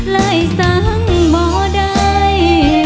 เลยสั่งบ่ได้